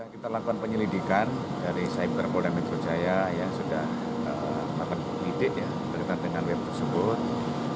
kita lakukan penyelidikan dari saib ter polda metro jaya yang sudah melakukan penyelidikan berkaitan dengan web tersebut